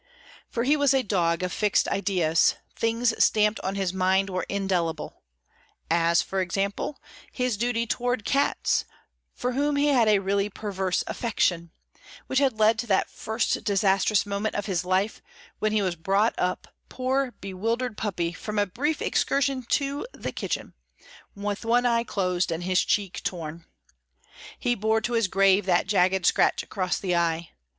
For he was a dog of fixed ideas, things stamped on his mind were indelible; as, for example, his duty toward cats, for whom he had really a perverse affection, which had led to that first disastrous moment of his life, when he was brought up, poor bewildered puppy, from a brief excursion to the kitchen, with one eye closed and his cheek torn! He bore to his grave that jagged scratch across the eye.